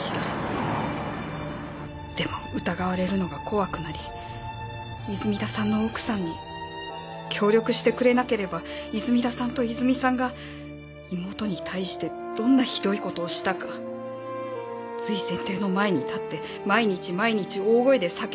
「でも疑われるのが怖くなり泉田さんの奥さんに“協力してくれなければ泉田さんといずみさんが妹に対してどんなひどいことをしたか瑞泉亭の前に立って毎日毎日大声で叫んでやる”